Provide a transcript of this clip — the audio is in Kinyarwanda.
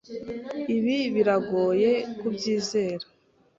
Ibi birangoye kubyizera.